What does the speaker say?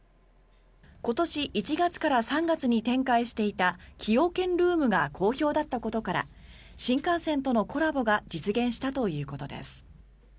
今年１月から３月に展開していた崎陽軒ルームが好評だったことから新幹線とのコラボが実現したということです。